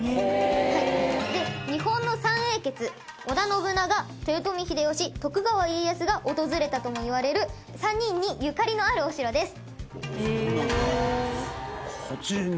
響大君：日本の三英傑織田信長、豊臣秀吉、徳川家康が訪れたとも言われる３人にゆかりのあるお城です。